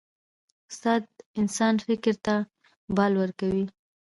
استاد د انسان فکر ته بال ورکوي.